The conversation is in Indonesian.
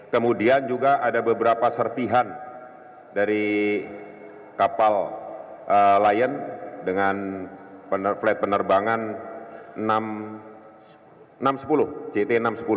kemudian juga ada beberapa serpihan dari kapal lion dengan flat penerbangan enam ratus sepuluh jt enam ratus sepuluh